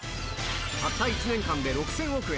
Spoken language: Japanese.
たった１年間で６０００億円。